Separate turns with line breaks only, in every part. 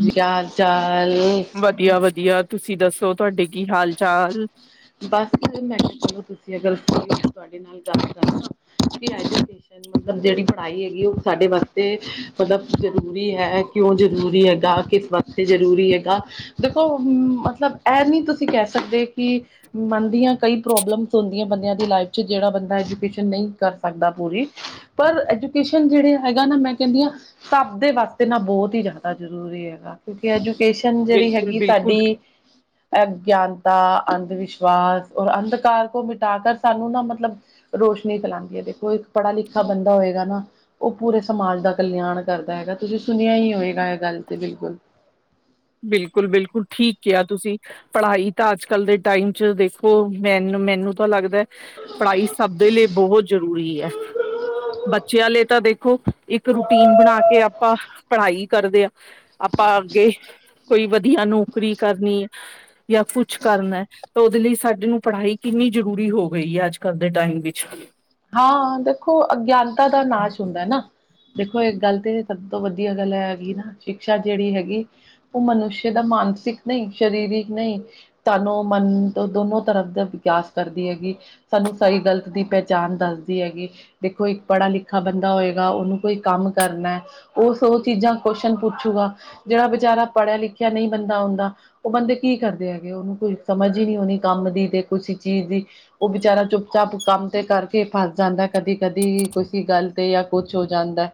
ਜੀ ਹਾਲ ਚਾਲ?
ਵਧੀਆ-ਵਧੀਆ, ਤੁਸੀਂ ਦੱਸੋ ਤੁਹਾਡੇ ਕੀ ਹਾਲ-ਚਾਲ?
ਬਸ ਮੈਂ ਕਿਹਾ ਚਲੋ, ਤੁਸੀਂ ਅ ਗੱਲ ਸੁ ਤੁਹਾਡੀ ਨਾਲ ਗੱਲ ਕਰਾਂ ਕਿ ਮਤਲਬ ਜਿਹੜੀ ਪੜ੍ਹਾਈ ਹੈਗੀ, ਉਹ ਸਾਡੇ ਵਾਸਤੇ ਮਤਲਬ ਜ਼ਰੂਰੀ ਹੈ। ਕਿਉਂ ਜ਼ਰੂਰੀ ਹੈਗਾ, ਕਿਸ ਵਾਸਤੇ ਜ਼ਰੂਰੀ ਹੈਗਾ ਦੇਖੋ, ਮਤਲਬ ਇਹ ਨਹੀਂ ਤੁਸੀਂ ਤੁਸੀ ਕਹਿ ਸਕਦੇ ਕਿ ਮੰਨਦੀਆਂ ਕਈ ਪ੍ਰੋਬਲਮਸ ਹੁੰਦੀਆਂ ਬੰਦਿਆਂ ਦੀ ਲਾਈਫ ਚ ਜਹੜਾ ਬੰਦਾ ਐਜੂਕੇਸ਼ਨ ਨਹੀਂ ਕਰ ਸਕਦਾ ਪੂਰੀ। ਪਰ ਐਜੂਕੇਸ਼ਨ ਜਿਹੜੇ ਹੈਗਾ, ਨਾ ਮੈਂ ਕਹਿੰਦੀ ਹਾਂ। ਸਭ ਦੇ ਵਾਸਤੇ ਨਾ ਬਹੁਤ ਹੀ ਜ਼ਿਆਦਾ ਜ਼ਰੂਰੀ ਹੈਗਾ। ਕਿਉਂਕਿ ਐਜੂਕੇਸ਼ਨ ਜਿਹੜੀ
ਬਿਲਕੁਲ
ਹੈਗੀ
ਬਿਲਕੁਲ
ਤੁਡੀ ਅ। ਗਿਆਨਤਾ ਅੰਧ ਵਿਸ਼ਵਾਸ ਔਰ ਅੰਧਕਾਰ ਕੋ ਮਿਟਾ ਕਰ ਸਾਨੂੰ ਨਾ ਮਤਲਬ ਰੋਸ਼ਨੀ ਬਣਾਦੀ ਹੈ ਦੇਖੋ, ਇੱਕ ਪੜ੍ਹਾ ਲਿਖਾ ਬੰਦਾ ਹੋਏਗਾ ਨਾ। ਉਹ ਪੂਰੇ ਸਮਾਜ ਦਾ ਕਲਿਆਣ ਕਰਦਾ ਹੈਗਾ, ਤੁਸੀਂ ਸੁਣਿਆ ਹੀ ਹੋਵੇਗਾ ਇਹ ਗੱਲ ਤੇ ਬਿਲਕੁਲ
ਬਿਲਕੁਲ-ਬਿਲਕੁਲ ਠੀਕ ਕਿਹਾ ਤੁਸੀਂ। ਪੜ੍ਹਾਈ ਤਾਂ ਅੱਜ-ਕੱਲ ਦੇ ਟਾਈਮ ਚ ਦੇਖੋ ਮੈਨੂੰ-ਮੈਨੂੰ ਤਾਂ ਲੱਗਦਾ। ਪੜ੍ਹਾਈ ਸਭ ਦੇ ਲਈ ਬਹੁਤ ਜ਼ਰੂਰੀ ਹੈ। ਬੱਚਿਆਂ ਲਈ ਤਾਂ ਦੇਖੋ, ਇੱਕ ਰੂਟੀਨ ਬਣਾ ਕੇ ਆਪਾਂ ਪੜ੍ਹਾਈ ਕਰਦੇ ਹਾਂ। ਆਪਾਂ ਅੱਗੇ ਕੋਈ ਵਧੀਆ ਨੌਕਰੀ ਕਰਨੀ ਜਾਂ ਕੁਛ ਕਰਨਾ। ਤਾਂ ਉਹਦੇ ਲਈ ਸਾਡੇ ਨੂੰ ਪੜ੍ਹਾਈ ਕਿੰਨੀ ਜ਼ਰੂਰੀ ਹੋ ਗਈ ਹੈ, ਅੱਜ ਕੱਲ੍ਹ ਦੇ ਟਾਈਮ ਵਿੱਚ।
ਹਾਂ ਦੇਖੋ ਅਗਿਆਨਤਾ ਦਾ ਨਾਚ ਹੁੰਦਾ ਨਾ। ਦੇਖੋ ਇਹ ਗੱਲ ਤੇ ਸਭ ਤੋਂ ਵਧੀਆ ਗੱਲ ਹੈਗੀ, ਨਾ ਸ਼ਿਕਸ਼ਾ ਜਿਹੜੀ ਹੈਗੀ। ਉਹ ਮਨੁਸ਼ੇ ਦਾ ਮਾਨਸਿਕ ਨਹੀਂ ਸਰੀਰਿਕ ਨਹੀਂ। ਤੁਹਾਨੂੰ ਮਨ ਤੋਂ ਦੋਨੋ ਤਰਫ ਦਾ ਵਿਕਾਸ ਕਰਦੀ ਹੈਗੀ, ਸਾਨੂੰ ਸਹੀ ਗਲਤ ਦੀ ਪਹਿ ਜਣ ਦੱਸਦੀ ਹੈਗੀ ਦੇਖੋ, ਇੱਕ ਪੜ੍ਹਾ ਲਿਖਾ ਬੰਦਾ ਹੋਏਗਾ, ਉਹਨੂੰ ਕੋਈ ਕੰਮ ਕਰਨਾ ਉਸ ਉਹ ਚੀਜ਼ਾਂ ਕੁਸ਼ਚਨ ਪੁੱਛੂਗਾ, ਜਿਹੜਾ ਵਿਚਾਰਾ ਪੜ੍ਹਿਆ ਲਿਖਿਆ ਨਹੀਂ ਬੰਦਾ ਹੁੰਦਾ। ਉਹ ਬੰਦੇ ਕੀ ਕਰਦੇ ਹੈਗੇ, ਉਹਨੂੰ ਕੋਈ ਸਮਝ ਹੀ ਨਹੀਂ ਆਉਣੀ ਕੰਮ ਦੀ ਤੇ ਕੁਸੀ ਚੀਜ਼ ਦੀ। ਉਹ ਵਿਚਾਰੇ ਚੁੱਪ ਚਾਪ ਕੰਮ ਤੇ ਕਰਕੇ ਫਸ ਜਾਂਦਾ ਕਦੀ ਕਦੀ ਕੁੇ ਗੱਲ ਤੇ ਜਾਂ ਕੁਛ ਹੋ ਜਾਂਦਾ।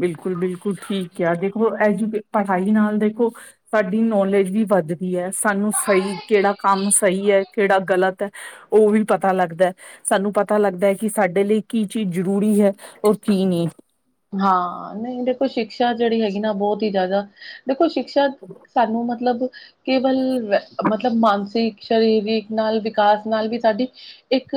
ਬਿਲਕੁਲ-ਬਿਲਕੁਲ ਠੀਕ ਆ ਦੇਖੋ ਕੇ। ਪੜ੍ਹਾਈ ਨਾਲ ਦੇਖੋ ਸਾਡੀ ਨੌਲੇਜ ਵੀ ਵੱਧਦੀ ਹੈ। ਸਾਨੂੰ ਸਹੀ ਕਿਹੜਾ ਕੰਮ ਸਹੀ ਹੈ, ਕਿਹੜਾ ਗਲਤ ਹੈ ਉਹ ਵੀ ਪਤਾ ਲੱਗਦਾ। ਸਾਨੂੰ ਪਤਾ ਲੱਗਦਾ ਹੈ, ਕਿ ਸਾਡੇ ਲਈ ਕੀ ਚੀਜ਼ ਜ਼ਰੂਰੀ ਹੈ, ਔਰ ਕੀ ਨਹੀਂ।
ਹਾਂ ਨਹੀਂ ਦੇਖੋ ਸ਼ਿਕਸ਼ਾ ਜਿਹੜੀ ਹੈਗੀ, ਨਾ ਬਹੁਤ ਹੀ ਜ਼ਿਆਦਾ ਦੇਖੋ ਸ਼ਿਕਸ਼ਾ
[unintelligible]
ਸਾਨੂੰ ਮਤਲਬ ਕੇਵਲ ਮਤਲਬ ਮਾਨਸਿਕ ਸਰੀਰਕ ਨਾਲ ਵਿਕਾਸ ਨਾਲ ਵੀ ਸਾਡੀ ਇੱਕ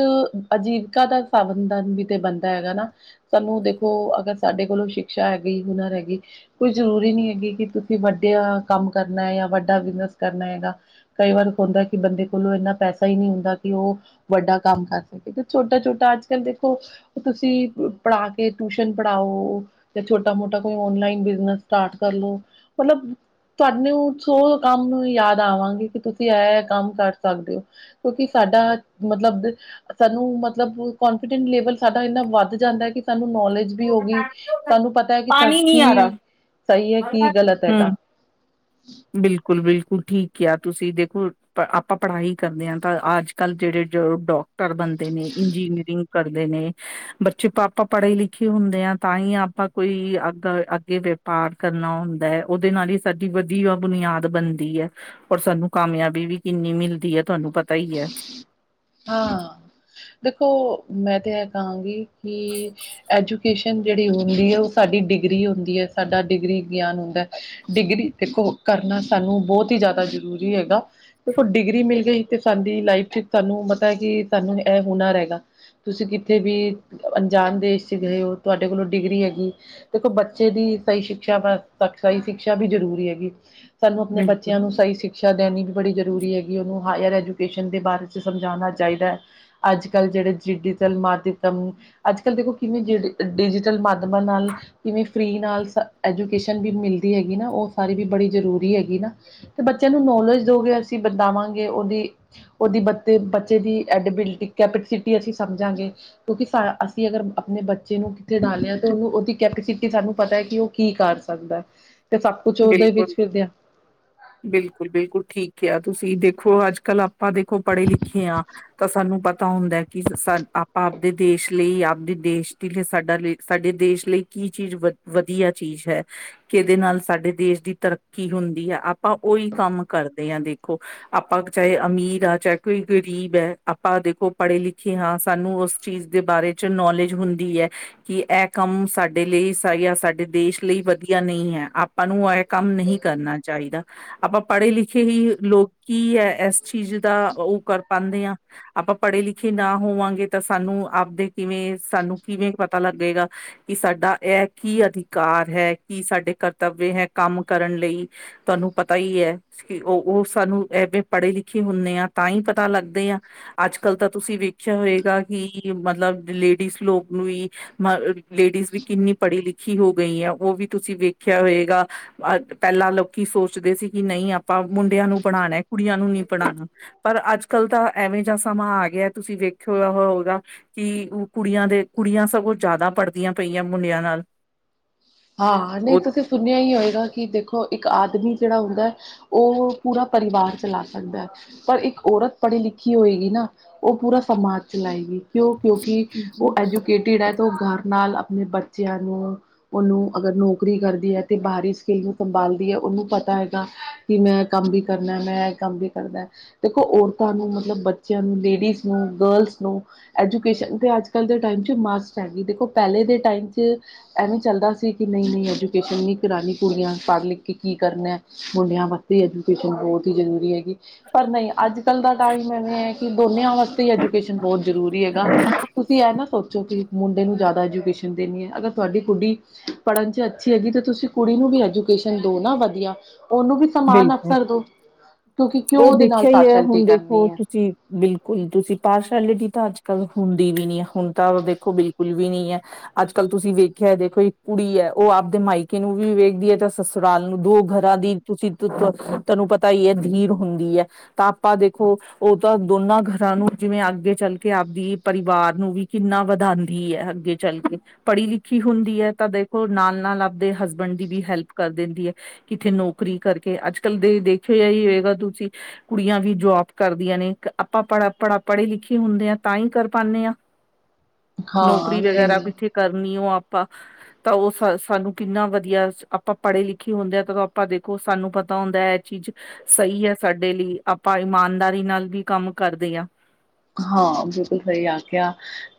ਅਜੀਵਿਕਾ ਦਾ ਸਾਵਧਾਨ ਵੀ ਤੇ ਬਣਦਾ ਹੈਗਾ ਨਾ ਸਾਨੂੰ ਦੇਖੋ ਅਗਰ ਸਾਡੇ ਕੋਲੋਂ ਸ਼ਿਕਸ਼ਾ ਹੈਗੀ ਹੁਨਰ ਹੈਗੀ। ਕੋਈ ਜ਼ਰੂਰੀ ਨਹੀਂ ਹੈਗੀ, ਕਿ ਤੁਸੀਂ ਵੱਡੇ ਕੰਮ ਕਰਨਾ ਹੈ ਜਾਂ ਵੱਡਾ ਬਿਜਨਸ ਕਰਨਾ ਹੈਗਾ। ਕਈ ਵਾਰ ਕੁੰਦਾ ਕਿ ਬੰਦੇ ਕੋਲੋਂ ਇੰਨਾ ਪੈਸਾ ਹੀ ਨਹੀਂ ਹੁੰਦਾ, ਕਿ ਉਹ ਵੱਡਾ ਕੰਮ ਕਰ ਸਕੇ, ਤੇ ਛੋਟਾ ਛੋਟਾ ਅੱਜ ਕੱਲ ਦੇਖੋ, ਤੁਸੀਂ ਪੜ੍ਹਾ ਕੇ ਟਿਊਸ਼ਨ ਪੜ੍ਹਾਓ ਜਾਂ ਛੋਟਾ ਮੋਟਾ ਕੋਈ ਔਨਲਾਈਨ ਬਿਜਨਸ ਸਟਾਰਟ ਕਰ ਲੋ ਮਤਲਬ ਤੁਹਾਨੇ ਸੋ ਕੰਮ ਯਾਦ ਆਵਾਂਗੇ, ਕਿ ਤੁਸੀਂ ਆ ਕੰਮ ਕਰ ਸਕਦੇ ਹੋ। ਕਿਉਂਕਿ ਸਾਡਾ ਮਤਲਬ ਸਾਨੂੰ ਮਤਲਬ ਕੋਂਫੀਡੈਂਟ ਲੇਵਲ ਸਾਡਾ ਇੰਨਾ ਵੱਧ ਜਾਂਦਾ ਹੈ, ਕਿ ਸਾਨੂੰ ਨੌਲੇਜ ਵੀ ਹੋ ਗਈ ਸਾਨੂੰ ਪਤਾ ਹੈ, ਕਿ
ਪਾਣੀ ਨਹੀਂ ਆ
ਕੀ ਸਹੀ ਹੈ ਕੀ
ਰਿਹਾ
ਗਲਤ
ਹਮ
ਹੈਗਾ।
ਬਿਲਕੁਲ-ਬਿਲਕੁਲ ਠੀਕ ਆ ਤੁਸੀਂ ਦੇਖੋ। ਆਪਾਂ ਪੜ੍ਹਾਈ ਕਰਦੇ ਹਾਂ, ਤਾਂ ਅੱਜ-ਕੱਲ੍ਹ ਜਿਹੜੇ ਜੋ ਡਾਕਟਰ ਬਣਦੇ ਨੇ ਇੰਜੀਨੀਅਰਿੰਗ। ਕਰਦੇ ਨੇ, ਬੱਚੇ ਪਾਪਾ ਪੜ੍ਹੇ ਲਿਖੇ ਹੁੰਦੇ ਆ, ਤਾਂ ਹੀ ਆਪਾਂ ਕੋਈ ਅੱ ਅੱਗੇ ਪਾਠ ਕਰਨਾ ਹੁੰਦਾ ਹੈ, ਉਹਦੇ ਨਾਲ ਹੀ ਸਾਡੀ ਵੀ ਵ ਬੁਨਿਆਦ ਬਣਦੀ ਹੈ, ਔਰ ਸਾਨੂੰ ਕਾਮਯਾਬੀ ਵੀ ਕਿੰਨੀ ਮਿਲਦੀ ਹੈ ਤੁਹਾਨੂੰ ਪਤਾ ਹੀ ਹੈ।
ਹਾਂ ਦੇਖੋ ਮੈਂ ਤੇ ਇਹ ਕਹਾਂਗੀ, ਕਿ ਐਜੂਕੇ ਜਿਹੜੀ ਹੁੰਦੀ ਹੈ, ਉਹ ਸਾਡੀ ਡਿਗਰੀ ਹੁੰਦੀ ਹੈ, ਸਾਡਾ ਡਿਗਰੀ ਗਿਆਨ ਹੁੰਦਾ। ਡਿਗਰੀ ਦੇਖੋ, ਕਰਨਾ ਸਾਨੂੰ ਬਹੁਤ ਹੀ ਜ਼ਿਆਦਾ ਜ਼ਰੂਰੀ ਹੈਗਾ, ਦੇਖੋ ਡਿਗਰੀ ਮਿਲ ਗਈ। ਤੇ ਸਾਡੀ ਲਾਈਫ ਚ ਸਾਨੂੰ ਪਤਾ ਹੈ, ਕਿ ਸਾਨੂੰ ਇਹ ਹੁਨਰ ਹੈਗਾ। ਤੁਸੀਂ ਕਿੱਥੇ ਵੀ ਅਣਜਾਣ ਦੇਸ਼ ਗਏ ਹੋ, ਤੁਹਾਡੇ ਕੋਲੋਂ ਡਿਗਰੀ ਹੈਗੀ। ਦੇਖੋ, ਬੱਚੇ ਦੀ ਸਹੀ ਸ਼ਿਕਸ਼ਾ ਸਹੀ ਸ਼ਿਕਸ਼ਾ ਵੀ ਜ਼ਰੂਰੀ ਹੈਗੀ। ਸਾਨੂੰ ਆਪਣੇ ਬੱਚਿਆਂ
ਬਿਲਕੁਲ,
ਨੂੰ ਸਹੀ ਸਿਕਸ਼ਾ ਦੇਣੀ ਵੀ ਬੜੀ ਜ਼ਰੂਰੀ ਹੈਗੀ, ਉਹਨੂੰ ਹਾਇਰ ਦੇ ਬਾਰੇ ਸਮਝਾਉਣਾ ਚਾਹੀਦਾ ਹੈ, ਅੱਜ-ਕੱਲ ਜਿਹੜੇ ਡਿਜੀਟਲ ਮਾਧਿਅਮ ਅੱਜ-ਕੱਲ੍ਹ ਦੇਖੋ, ਕਿਵੇਂ ਜਿ ਡਿਜੀਟਲ ਮਾਧਿਮਾਂ ਨਾਲ ਕਿਵੇਂ ਫਰੀ ਨਾਲ ਸ ਐਜੂਕੇਸ਼ਨ ਵੀ ਮਿਲਦੀ ਹੈਗੀ, ਨਾ ਉਹ ਸਾਰੀ ਵੀ ਬੜੀ ਜ਼ਰੂਰੀ ਹੈਗੀ ਨਾ। ਤੇ ਬੱਚਿਆਂ ਨੂੰ ਨੌਲੇਜ ਦੋਗੇ, ਅਸੀਂ ਬਤਾਵਾਂਗੇ ਉਹਦੀ। ਉਹਦੀ ਬ ਬੱਚੇ ਦੀ ਐਡੀਬਿਲਟੀ ਕੈਪਸਿਟੀ ਅਸੀਂ ਸਮਝਾਂਗੇ। ਕਿਉਂਕਿ ਅਸੀਂ ਅਗਰ ਆਪਣੇ ਬੱਚੇ ਨੂੰ ਕਿੱਥੇ ਡਾਲੇ ਹਾਂ ਤੇ ਉਹਨੂੰ ਉਹਦੀ ਕੈਪਸਿਟੀ ਸਾਨੂੰ ਪਤਾ ਹੈ, ਕਿ ਉਹ ਕੀ ਕਰ ਸਕਦਾ ਤੇ ਸਭ ਕੁਛ ਉਦੋਂ ਹੀ ਵਿੱਚ ਫਿਰਦਿਆਂ।
ਬਿਲਕੁਲ-ਬਿਲਕੁਲ ਠੀਕ ਆ ਤੁਸੀਂ ਦੇਖੋ, ਅੱਜ-ਕੱਲ ਆਪਾਂ ਦੇਖੋ ਪੜ੍ਹੇ ਲਿਖੇ ਹਾਂ। ਤਾਂ ਸਾਨੂੰ ਪਤਾ ਹੁੰਦਾ ਕਿ, ਆਪਾਂ ਆਪਦੇ ਦੇਸ਼ ਲਈ ਆਪਦੇ ਦੇਸ਼ ਦੇ ਲਈ ਸਾਡਾ ਲਈ ਸਾਡੇ ਦੇਸ਼ ਲਈ ਕੀ ਚੀਜ਼ ਵ ਵਧੀਆ ਚੀਜ਼ ਹੈ, ਕਿਹਦੇ ਨਾਲ ਸਾਡੇ ਦੇਸ਼ ਦੀ ਤਰੱਕੀ ਹੁੰਦੀ ਹੈ, ਆਪਾਂ ਉਹੀ ਕੰਮ ਕਰਦੇ ਹਾਂ ਦੇਖੋ। ਆਪਾਂ ਚਾਹੇ ਅਮੀਰ ਆ ਚਾਹੇ ਕੋਈ ਗਰੀਬ ਹੈ, ਆਪਾਂ ਦੇਖੋ ਪੜ੍ਹੇ ਲਿਖੇ ਹਾਂ ਸਾਨੂੰ ਉਸ ਚੀਜ਼ ਦੇ ਬਾਰੇ। ਨੌਲੇਜ ਹੁੰਦੀ ਹੈ। ਕਿ ਇਹ ਕੰਮ ਸਾਡੇ ਲਈ ਜਾਂ ਸਾਡੇ ਦੇਸ਼ ਲਈ ਵਧੀਆ ਨਹੀਂ ਹੈ। ਆਪਾਂ ਨੂੰ ਇਹ ਕੰਮ ਨਹੀਂ ਕਰਨਾ ਚਾਹੀਦਾ। ਆਪਾਂ ਪੜ੍ਹੇ ਲਿਖੇ ਹੀ ਲੋਕ ਕੀ ਹੈ, ਇਸ ਚੀਜ਼ ਦਾ ਉਹ ਕਰ ਪਾਉਂਦੇ ਹਾਂ। ਆਪਾਂ ਪੜ੍ਹੇ ਲਿਖੇ ਨਾ ਹੋਵਾਂਗੇ, ਤਾਂ ਸਾਨੂੰ ਆਪਦੇ ਕਿਵੇਂ ਸਾਨੂੰ ਕਿਵੇਂ ਪਤਾ ਲੱਗੇਗਾ। ਕਿ ਸਾਡਾ ਇਹ ਕੀ ਅਧਿਕਾਰ ਹੈ, ਕੀ ਸਾਡੇ ਕਰਤੱਵਯ ਹੈ ਕੰਮ ਕਰਨ ਲਈ। ਤੁਹਾਨੂੰ ਪਤਾ ਹੀ ਹੈ। ਕਿ ਉਹ ਉਹ ਸਾਨੂੰ ਐਵੇਂ ਪੜ੍ਹੇ ਲਿਖੇ ਹੁੰਦੇ ਆ, ਤਾਂ ਹੀ ਪਤਾ ਲੱਗਦੇ ਆ। ਅੱਜ-ਕੱਲ੍ਹ ਤਾਂ ਤੁਸੀਂ ਵੇਖਿਆ ਹੋਏਗਾ, ਕਿ ਮਤਲਬ ਲੇਡੀਜ਼ ਲੋਕ ਨੂੰ ਵੀ ਮ ਲੇਡੀਜ਼ ਵੀ ਕਿੰਨੀ ਪੜ੍ਹੀ ਲਿਖੀ ਹੋ ਗਈ ਹੈ, ਉਹ ਵੀ ਤੁਸੀਂ ਵੇਖਿਆ ਹੋਏਗਾ। ਅ ਪਹਿਲਾਂ ਲੋਕੀ ਸੋਚਦੇ ਸੀ, ਕਿ ਨਹੀਂ ਆਪਾਂ ਮੁੰਡਿਆਂ ਨੂੰ ਪੜਣਾਣਾ ਕੁੜੀਆਂ ਨੂੰ ਨਹੀਂ ਪੜ੍ਹਉਣਾ। ਪਰ ਅੱਜ ਕੱਲ ਤਾਂ ਐਵੇਂ ਜ ਸਮਾਂ ਆ ਗਿਆ, ਤੁਸੀਂ ਵੇਖਿਆ ਹੋਏ ਗਾ। ਕਿ ਉਹ ਕੁੜੀਆਂ ਦੇ ਕੁੜੀਆਂ ਸਗੋਂ ਜ਼ਿਆਦਾ ਪੜ੍ਹਦੀਆਂ ਪਈਆਂ ਮੁੰਡਿਆਂ ਨਾਲੋ।
ਹਾਂ ਨਹੀਂ ਤੁਸੀਂ ਸੁਣਿਆ ਹੀ ਹੋਏਗਾ, ਕਿ ਦੇਖੋ ਇੱਕ ਆਦਮੀ ਜਿਹੜਾ ਹੁੰਦਾ। ਉਹ ਪੂਰਾ ਪਰਿਵਾਰ ਚਲਾ ਸਕਦਾ ਹੈ। ਪਰ ਇੱਕ ਔਰਤ ਪੜ੍ਹੀ ਲਿਖੀ ਹੋਏਗੀ, ਨਾ ਉਹ ਪੂਰਾ ਸਮਾਜ ਚਲਾਏਗੀ। ਕਿਉਂ ਕਿਉਂਕਿ ਉਹ ਐਜੂਕੇਟਿਡ ਹੈ, ਅਤੇ ਉਹ ਘਰ ਨਾਲ ਆਪਣੇ ਬੱਚਿਆਂ ਨੂੰ ਉਹਨੂੰ ਅਗਰ ਨੌਕਰੀ ਕਰਦੀ ਹੈ, ਤੇ ਬਾਹਰੀ ਸਕਿੱਲ ਨੂੰ ਸੰਭਾਲਦੀ ਹੈ ਉਹਨੂੰ ਪਤਾ ਹੈਗਾ। ਕਿ ਮੈਂ ਕੰਮ ਵੀ ਕਰਨਾ, ਮੈਂ ਇਹ ਕੰਮ ਵੀ ਕਰਦਾ। ਦੇਖੋ ਔਰਤਾਂ ਨੂੰ ਮਤਲਬ, ਬੱਚਿਆਂ ਨੂੰ ਲੇਡੀਜ਼ ਨੂੰ ਗਰਲਜ਼ ਨੂੰ ਐਜੂਕੇਸ਼ਨ ਤੇ ਅੱਜ-ਕੱਲ ਦੇ ਟਾਈਮ ਚ ਮਾਸਕ ਹੈਗੀ, ਦੇਖੋ ਪਹਿਲੇ ਦੇ ਟਾਈਮ ਐਵੇ। ਚੱਲਦਾ ਸੀ ਕਿ ਨਹੀਂ-ਨਹੀਂ ਐਜੂਕੇਸ਼ਨ, ਨਹੀਂ ਕਰਾਉਣੀ ਕੁੜੀਆਂ ਪੜ੍ਹ ਲਿਖ ਕੇ ਕੀ ਕਰਨਾ। ਮੁੰਡਿਆਂ ਵਾਸਤੇ ਐਜੂਕੇਸ਼ਨ ਬਹੁਤ ਹੀ ਜ਼ਰੂਰੀ ਹੈ। ਪਰ ਨਹੀਂ ਅੱਜ-ਕੱਲ ਦਾ ਟਾਈਮ ਐਵੇਂ ਹੈ, ਕਿ ਦੋਨੀਆਂ ਵ ਤੇ ਐਜੂਕੇਸ਼ਨ ਬਹੁਤ ਜ਼ਰੂਰੀ ਹੈਗਾ, ਤੁਸੀਂ ਇਹ ਨਾ ਸੋਚੋ ਕਿ ਮੁੰਡੇ ਨੂੰ ਜ਼ਿਆਦਾ ਐਜੂਕੇਸ਼ਨ ਦੇਣੀ ਹੈ, ਅਗਰ ਤੁਹਾਡੀ ਕੁੜੀ ਪੜ੍ਹਨ ਚ' ਅੱਛੀ ਹੈਗੀ ਤੇ ਤੁਸੀਂ ਕੁੜੀ ਨੂੰ ਵੀ ਐਜੂਕੇਸ਼ਨ ਦਿਓ ਨਾ ਵਧੀਆ। ਉਹਨੂੰ ਵੀ ਸਮਾਨ
ਬਿਲਕੁਲ
ਅਫਸਰ ਦੋ। ਕਿਉਂਕਿ ਕਿਉਂ
ਉਹ
ਉਹਦੇ ਨਾਲ
ਦੇਖਿਆ ਹੀ ਹੈ
ਪਾਰਸ਼ਲਟੀ
ਹੁਣ ਦੇਖੋ
ਕਰਨੀ ਹੈ।
ਤੁਸੀਂ ਬਿਲਕੁਲ ਤੁਸੀਂ ਪਾਰਸ਼ਲਿਟੀ ਤਾਂ ਅੱਜ ਕੱਲ ਹੁੰਦੀ ਵੀ ਨਹੀਂ ਹੈ ਹੁਣ ਤਾਂ ਦੇਖੋ, ਬਿਲਕੁਲ ਵੀ ਨਹੀਂ ਹੈ। ਅੱਜ ਕੱਲ ਤੁਸੀਂ ਵੇਖਿਆ ਦੇਖੋ ਇੱਕ ਕੁੜੀ ਹੈ। ਉਹ ਆਪਦੇ ਮਾਇਕੇ ਨੂੰ ਵੀ ਵੇਖਦੀ ਹੈ ਜਾਂ ਸਸੁਰਾਲ ਨੂੰ। ਦੋ ਘਰਾਂ ਦੀ ਤੁਸੀਂ ਤੁਹਾਨੂੰ ਪਤਾ ਹੀ ਹੈ, ਧੀਰ ਹੁੰਦੀ ਹੈ। ਤਾਂ ਆਪਾਂ ਦੇਖੋ, ਉਹ ਤਾਂ ਦੋਨਾਂ ਘਰਾਂ ਨੂੰ ਜਿਵੇਂ ਅੱਗੇ ਚੱਲ ਕੇ ਆਪਦੀ ਪਰਿਵਾਰ ਨੂੰ ਵੀ ਕਿੰਨਾ ਵਧਾਉਂਦੀ ਹੈ। ਅੱਗੇ ਚੱਲ ਕੇ ਪੜ੍ਹੀ -ਲਿਖੀ ਹੁੰਦੀ ਹੈ ਤਾਂ ਦੇਖੋ, ਨਾਲ- ਨਾਲ ਆਪਦੇ ਹਸਬੈਂਡ ਦੀ ਵੀ ਹੈਲਪ ਕਰ ਦਿੰਦੀ ਹੈ। ਕਿੱਥੇ ਨੌਕਰੀ ਕਰਕੇ ਅੱਜ ਕੱਲ ਦੇ ਦੇਖਿਆ ਹੀ ਹੋਏਗਾ। ਤੁਸੀਂ ਕੁੜੀਆਂ ਵੀ ਜੋਬ ਕਰਦੀਆਂ ਨੇ। ਆਪਾਂ ਪੜ, ਪੜ- ਪੜ੍ਹੇ ਲਿਖੇ ਹੁੰਦੇ ਆ ਤਾਂ ਹੀ ਕਰ ਪਾਉਦੇ ਹਾਂ।
[inaudible]
ਨੌਕਰੀ
ਹਾਂ ਨਹੀਂ
ਵਗੈਰਾ
ਨਹੀਂ
ਪਿੱਛੇ ਕਰਨੀ ਉਹ ਆਪਾਂ, ਤਾਂ ਉਹ ਸਾਨੂੰ ਕਿੰਨਾ ਵਧੀਆ। ਆਪਾਂ ਪੜ੍ਹੇ -ਲਿਖੇ ਹੁੰਦੇ ਆ। ਤਾਂ ਆਪਾਂ ਦੇਖੋ, ਸਾਨੂੰ ਪਤਾ ਹੁੰਦਾ ਇਹ ਚੀਜ਼ ਸਹੀ ਹੈ ਸਾਡੇ ਲਈ, ਆਪਾਂ ਇਮਾਨਦਾਰੀ ਨਾਲ ਵੀ ਕੰਮ ਕਰਦੇ ਹਾਂ।
ਹਾਂ। ਬਿਲਕੁਲ ਸਹੀ ਆਖਿਆ।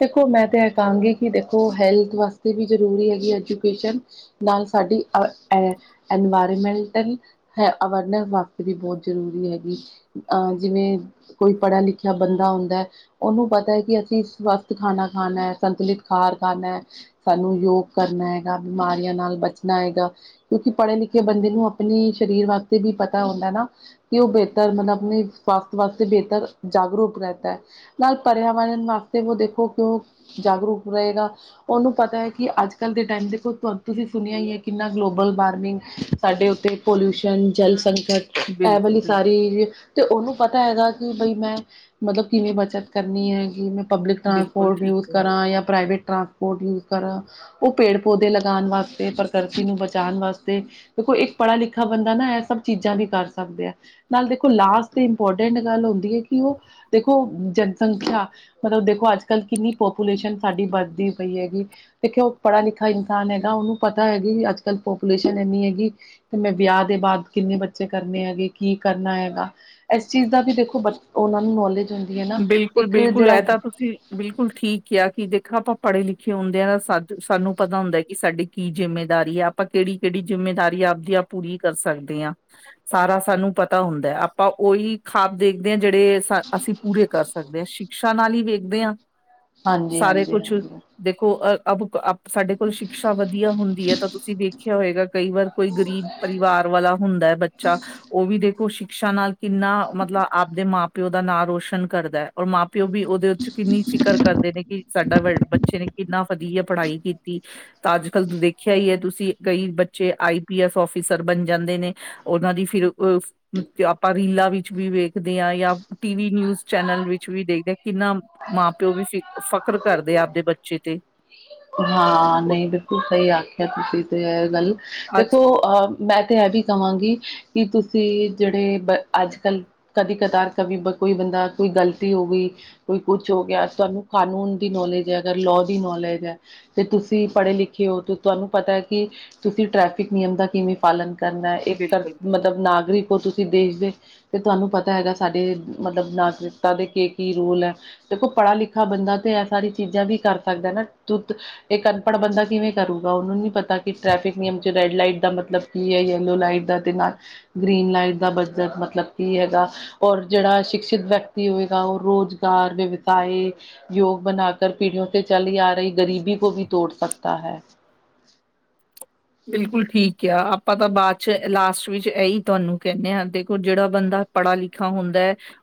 ਦੇਖੋ ਮੈਂ ਤਾਂ ਇਹ ਕਹਾਂਗੀ ਕਿ ਦੇਖੋ, ਹੈਲਥ ਵਾਸਤੇ ਵੀ ਜ਼ਰੂਰੀ ਹੈਗੀ ਐਜੂਕੇਸ਼ਨ। ਨਾਲ ਸਾਡੀ ਅ, ਐਨਵਾਇਰਮੈਂਟਲ ਹੈ। ਅਵੇਰਨੈਸ ਵਾਸਤੇ ਵੀ ਬਹੁਤ ਜ਼ਰੂਰੀ ਹੈਗੀ। ਅਹ ਜਿਵੇਂ ਕੋਈ ਪੜ੍ਹਿਆ- ਲਿਖਿਆ ਬੰਦਾ ਹ ਉਹਨੂੰ ਪਤਾ ਹੈ ਕਿ ਅਸੀਂ ਸਵਸਥ ਖਾਣਾ ਖਾਣਾ। ਸੰਤੁਲਿਤ ਖਾਰ ਖਾਣਾ। ਸਾਨੂੰ ਯੋਗ ਕਰਨਾ ਹੈਗਾ। ਬਿਮਾਰੀਆਂ ਨਾਲ ਬਚਣਾ ਹੈਗਾ। ਕਿਉਂਕਿ ਪੜ੍ਹੇ- ਲਿਖੇ ਬੰਦੇ ਨੂੰ ਆਪਣੇ ਸਰੀਰ ਵਾਸਤੇ ਵੀ ਪਤਾ ਹੁੰਦਾ ਨਾ। ਕਿ ਉਹ ਬਿਹਤਰ ਮਤਲਬ ਆਪਣੇ ਸਵਾਸਥ ਵਾਸਤੇ ਬਿਹਤਰ ਜਾਗਰੂਕ ਰਹਦਾ ਹੈ। ਨਾਲ ਪਰਿਆਵਰਨ ਵਾਸਤੇ ਉਹ ਦੇਖੋ, ਕਿਉਂ ਜਾਗਰੂਕ ਰਹੇਗਾ। ਉਹਨੂੰ ਪਤਾ ਐ ਕਿ ਅੱਜ-ਕੱਲ ਦੇ ਟਾਈਮ ਦੇਖੋ ਤੁ ਤੁਸੀਂ ਸੁਣਿਆ ਈ ਐ ਕਿੰਨਾ ਗਲੋਬਲ-ਵਾਰਮਿੰਗ, ਸਾਡੇ ਉੱਥੇ ਪੋਲਿਊਸ਼ਨ, ਜਲ-ਸੰਕਟ ਇਹ
ਬਿਲਕੁਲ
ਵਾਲੀ
ਬਿਲਕੁਲ
ਸਾਰੀ, ਤੇ ਉਹਨੂੰ ਪਤਾ ਹੈਗਾ ਕਿ ਬਈ ਮੈਂ, ਮਤਲਬ ਕਿੰਨੀ ਬੱਚਤ ਕਰਨੀ ਹੈ ਕਿ ਮੈਂ ਪਬਲਿਕ
ਬਿਲਕੁਲ
ਟਰਾਂਸਪੋਟ
ਠੀਕ
ਯੂਜ਼
ਕਿਹਾ
ਕਰਾਂ ਜਾਂ ਪ੍ਰਾਈਵੇਟ ਟਰਾਂਸ ਯੂਜ਼ ਕਰਾ। ਉਹ ਪੇੜ-ਪੌਦੇ ਲਗਾਉਣ ਵਾਸਤੇ, ਪ੍ਰਕਿਰਤੀ ਨੂੰ ਬਚਾਉਣ ਵਾਸਤੇ। ਦੇਖੋ, ਇੱਕ ਪੜ੍ਹਾ- ਲਿਖਾ ਬੰਦਾ ਨਾ ਇਹ ਸਭ ਚੀਜ਼ਾਂ ਵੀ ਕਰ ਸਕਦੇ ਆ। ਨਾਲ ਦੇਖੋ, ਲਾਸਟ ਤੇ ਇੰਪੋਰਟੈਂਟ ਗੱਲ ਹੁੰਦੀ ਹੈ। ਕਿ ਉਹ ਦੇਖੋ, ਜਨਸੰਖਿਆ ਮਤਲਬ ਦੇਖੋ, ਅੱਜ ਕੱਲ੍ਹ ਕਿੰਨੀ ਪਪੂਲੇਸ਼ਨ ਸਾਡੀ ਵੱਧਦੀ ਪਈ ਹੈਗੀ। ਦੇਖਿਉਹ ਪੜ੍ਹਾ- ਲਿਖਾ ਇਨਸਾਨ ਹੈਗਾ। ਉਹਨੂੰ ਪਤਾ ਹੈਗੀ ਅੱਜ ਕੱਲ੍ਹ ਪਪੂਲੇਸ਼ਨ ਇੰਨੀ ਹੈਗੀ। ਤੇ ਮੈਂ ਵਿਆਹ ਦੇ ਬਾਅਦ ਕਿੰਨੇ ਬੱਚੇ ਕਰਨੇ ਹੈਗੇ, ਕੀ ਕਰਨਾ ਹੈਗਾ। ਇਸ ਚੀਜ਼ ਦਾ ਵੀ ਦੇਖੋ ਬ ਉਹ ਨੂੰ ਨੌਲੇਜ ਹੁੰਦੀ ਹੈ ਨਾ।
ਬਿਲਕੁਲ
ਇੱਕ
-ਬਿਲਕੁਲ
ਜਿਹੜਾ
ਇਹ ਤਾਂ ਤੁਸੀਂ ਬਿਲਕੁਲ ਠੀਕ ਕਿਹਾ ਕਿ ਦੇਖੋ ਆਪਾਂ ਪੜ੍ਹੇ-ਲਿਖੇ ਹੁੰਦੇ ਆ। ਤਾਂ ਸਾ-ਸਾਨੂੰ ਪਤਾ ਹੁੰਦਾ ਕਿ ਸਾਡੀ ਕੀ ਜਿੰਮੇਦਾਰੀ ਆ। ਆਪਾਂ ਕਿਹੜੀ-ਕਿਹੜੀ ਜਿੰਮੇਦਾਰੀ ਆਪਦੀ ਆ ਪੂਰੀ ਕਰ ਸਕਦੇ ਆਂ। ਸਾਰਾ ਸਾਨੂੰ ਪਤਾ ਹੁੰਦਾ। ਆਪਾਂ ਉਹੀ ਖਵਾਬ ਦੇਖਦੇ ਹਾਂ ਜਿਹੜੇ ਸਾ ਅਸੀਂ ਪੂਰੇ ਕਰ ਸਕਦੇ। ਸ਼ਿਕਸ਼ਾ ਨਾਲ ਹੀ ਵੇਖਦੇ ਆਂ।
ਹਾਂਜੀ
ਸਾਰੇ
ਹਾਂਜੀ
ਕੁਛ,
ਹਾਂਜੀ।
ਦੇਖੋ ਅ-ਅਬ ਸਾਡੇ ਕੋਲ ਸ਼ਿਕਸ਼ਾ ਵਧੀਆ ਹੁੰਦੀ ਐ ਤਾਂ ਤੁਸੀਂ ਦੇਖਿਆ ਹੋਏਗਾ ਕਈ ਵਾਰ ਕੋਈ ਗਰੀਬ ਪਰਿਵਾਰ ਵਾਲਾ ਹੁੰਦਾ। ਬੱਚਾ, ਉਹ ਵੀ ਦੇਖੋ ਸ਼ਿਕਸ਼ਾ ਨਾਲ ਕਿੰਨਾ ਮਤਲਬ ਆਪਦੇ ਮਾਂ-ਪਿਓ ਦਾ ਨਾਂ ਰੋਸ਼ਨ ਕਰਦਾ ਐ। ਔਰ ਮਾਂ-ਪਿਓ ਵੀ ਉਹਦੇ ਉ ਚ' ਕਿੰਨੀ ਫਿਕਰ ਕਰਦੇ ਨੇ ਕਿ ਸਾਡਾ ਬ-ਬੱਚੇ ਨੇ ਕਿੰਨਾ ਵਧੀਆ ਪੜ੍ਹਾਈ ਕੀਤੀ। ਤਾਂ ਅੱਜ-ਕੱਲ੍ਹ ਦੇਖਿਆ ਈ ਐ ਤੁਸੀਂ, ਕਈ ਬੱਚੇ ਆਈ ਪੀ ਐਸ ਆਫਿਸਰ ਬਣ ਜਾਂਦੇ ਨੇ। ਉਹਨਾਂ ਦੀ ਫਿਰ ਪ, ਆਪਾਂ ਰੀਲਾਂ ਵਿੱਚ ਵੀ ਵੇਖਦੇ ਆਂ ਜਾਂ ਟੀਵੀ, ਨਿਊਜ਼ ਚੈਨਲ ਵਿਚ ਵੀ ਦੇਖਦੇ ਆ। ਕਿੰਨਾ ਮਾਂ-ਪਿਓ ਵੀ ਫਿਕ-ਫਕਰ ਕਰਦੇ ਆ ਆਪਦੇ ਬੱਚੇ ਤੇ।
ਹਾਂ। ਨਈਂ, ਬਿਲਕੁਲ ਸਹੀ ਆਖਿਆ ਤੁਸੀਂ ਤੇ ਇਹ ਗੱਲ,
ਅੱਜ
ਦੇਖੋ ਅਹ ਮੈਂ ਤੇ ਇਹ ਵੀ ਕਹਾਂਗੀ, ਕਿ ਤੁਸੀਂ ਜਿਹੜੇ ਬ ਅੱਜ-ਕੱਲ੍ਹ। ਕਦੀ-ਕਦਾਰ ਕਵੀ ਕੋਈ ਬੰਦਾ ਕੋਈ ਗ਼ਲਤੀ ਹੋ ਗਈ। ਕੋਈ ਕੁਛ ਹੋ ਗਿਆ, ਤੁਹਾਨੂੰ ਕਾਨੂੰਨ ਦੀ ਨੌਲੇਜ ਐ ਅਗਰ ਲੋ ਦੀ ਨੌਲੇਜ ਐ। ਅਤੇ ਤੁਸੀਂ ਪੜ੍ਹੇ-ਲਿਖੇ ਓ, ਤੁਹਾਨੂੰ ਪਤਾ ਐ ਕਿ ਤੁਸੀਂ ਟਰੈਫਿਕ ਨਿਯਮ ਦਾ ਕਿਵੇਂ। ਪਾਲਣ ਕਰਨਾ, ਇੱਕ ਕਰ
ਬਿਲਕੁਲ
ਮਤਲਬ ਨਾਗਰਿਕ ਓ ਤੁਸੀਂ ਦੇਸ਼ ਦੇ। ਤੇ ਤੁਹਾਨੂੰ ਪਤਾ ਹੈਗਾ ਸਾਡੇ, ਮਤਲਬ ਨਾਗਰਿਕਤਾ ਦੇ ਕੀ-ਕੀ ਰੂਲ ਐ। ਦੇਖੋ ਪੜ੍ਹਾ-ਲਿਖਾ ਬੰਦਾ ਤੇ ਇਹ ਸਾਰੀ ਚੀਜ਼ਾਂ ਵੀ ਕਰ ਸਕਦਾ ਨਾ। ਦੁੱਧ ਇੱਕ ਅਨਪੜ੍ਹ ਬੰਦਾ ਕਿਵੇਂ ਕਰੂਗਾ ਉਹਨੂੰ ਨੀ ਪਤਾ ਕਿ ਟ੍ਰੈਫਿਕ ਨਿਯਮ ਚ' ਰੈੱਡ ਲਾਈਟ ਦਾ ਮਤਲਬ। ਕੀ ਐ ਯੈੱਲੋ ਲਾਈਟ ਦਾ ਤੇ ਨਾਲ, ਗ੍ਰੀਨ ਲਾਈਟ ਦਾ ਬਜਟ ਮਤਲਬ ਕੀ ਹੈਗਾ? ਔਰ ਜਿਹੜਾ ਸ਼ਿਕਸ਼ਿਤ ਵਿਅਕਤੀ ਹੋਵੇਗਾ ਉਹ ਰੁਜ਼ਗਾਰ ਦੇ ਵਿਸਾਏ। ਯੋਗ ਬਣਾ ਕਰ ਪੀੜੀਆਂ ਤੋਂ ਚੱਲੀ ਆ ਰਹੀ ਗ਼ਰੀਬੀ ਕੋ ਵੀ ਤੋੜ ਸਕਤਾ ਹੈ।
ਬਿਲਕੁਲ ਠੀਕ ਕਿਹਾ, ਆਪਾਂ ਤਾਂ ਬਾਅਦ ਚ' ਲਾਸਟ ਵਿੱਚ ਇਹੀ ਤੁਹਾਨੂੰ ਕਹਿੰਨੇਂ ਆਂ। ਦੇਖੋ ਜਿਹੜਾ ਬੰਦਾ ਪੜ੍ਹਾ-ਲਿਖਾ ਹੁੰਦਾ।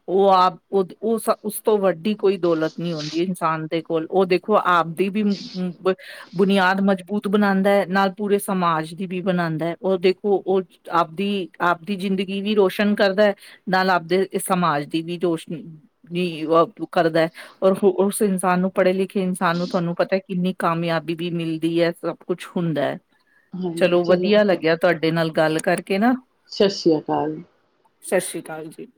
ਉਹ ਆਪ ਉਹ-ਉਸ, ਉਸ ਤੋਂ ਵੱਡੀ ਕੋਈ ਦੌਲਤ ਨੀ ਹੁੰਦੀ ਇਨਸਾਨ ਦੇ ਕੋਲ ਉਹ ਦੇਖੋ ਆਪ। ਦੀ ਵੀ ਮ-ਬ ਬੁਨਿਆਦ ਮਜ਼ਬੂਤ ਬਣਾਉਂਦਾ ਏ। ਨਾਲ ਪੂਰੇ ਸਮਾਜ ਦੀ ਵੀ ਬਣਾਉਂਦਾ ਏ। ਉਹ ਦੇਖੋ ਉਹ ਚ ਆਪਦੀ-ਆਪਦੀ ਜ਼ਿੰਦਗੀ ਵੀ ਰੋਸ਼ਨ ਕਰਦਾ ਐ। ਨਾਲ ਆਪਦੇ ਸਮਾਜ ਦੀ ਵੀ ਰੌਸ਼ਨੀ, ਵੀ ਕਰਦਾ। ਔਰ ਉਸ ਇਨਸਾਨ ਨੂੰ ਪੜ੍ਹੇ-ਲਿਖੇ ਇਨਸਾਨ ਨੂੰ ਤੁਹਾਨੂੰ ਪਤਾ ਕਿੰਨੀ ਕਾਮਯਾਬੀ ਵੀ ਮਿਲਦੀ ਐ। ਇਹ ਸਭ ਕੁਛ ਹੁੰਦਾ ਏ, ਚਲੋ ਵਧੀਆ ਲੱਗਿਆ ਤੁਹਾਡੇ ਨਾਲ ਗੱਲ ਕਰਕੇ ਨਾ।
ਸਤਿ ਸ਼੍ਰੀ ਅਕਾਲ।
ਸਤਿ ਸ਼੍ਰੀ ਅਕਾਲ ਜੀ।